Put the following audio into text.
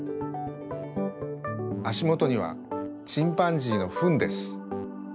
あしもとにはチンパンジーのフンです。